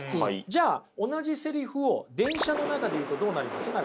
じゃあ同じセリフを電車の中で言うとどうなりますか？